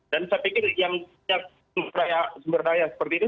dan saya pikir yang sepertinya sumber daya seperti ini